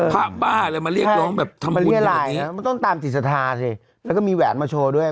พะบ้าเลยนะต้องตามติสรรทัยแล้วก็มีแววงมาโชว์ด้วย